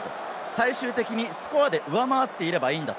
最終的にスコアで上回っていればいいんだ。